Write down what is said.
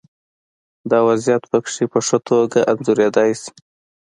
دا وضعیت پکې په ښه توګه انځورېدای شي.